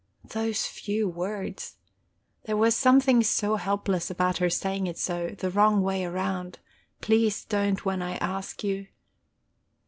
Those few words! There was something so helpless about her saying it so, the wrong way round: "Please don't when I ask you."...